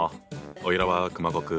おいらは熊悟空。